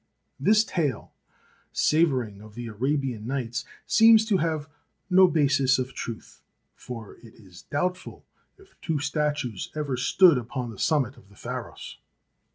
This tale, savouring of the Arabian Nights, seems to have no basis of truth, for it is doubtful if two statues ever stood upon the sum mit of the Pharos.